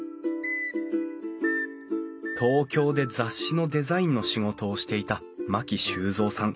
東京で雑誌のデザインの仕事をしていた牧修三さん知子さん夫妻。